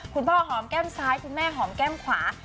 คุณพ่อหอมแก้มซ้ายคุณแม่หอมแก้มขวา